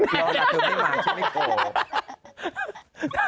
หรือว่าเธอไม่มาฉันไม่โกรธ